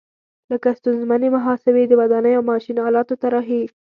لکه ستونزمنې محاسبې، د ودانیو او ماشین آلاتو طراحي.